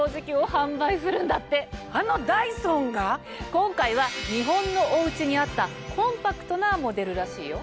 今回は日本のお家に合ったコンパクトなモデルらしいよ。